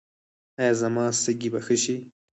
ایا زما سږي به ښه شي؟